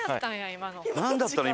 今の。